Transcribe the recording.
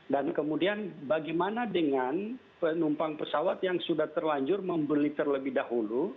dan kemudian bagaimana dengan penumpang pesawat yang sudah terlanjur membeli terlebih dahulu